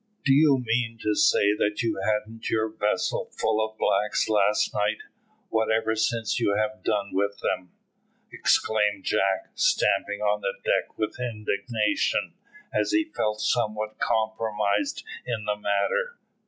"Do you mean to say that you hadn't your vessel full of blacks last night, whatever since you have done with them?" exclaimed Jack, stamping on the deck with indignation, as he felt somewhat compromised in the matter.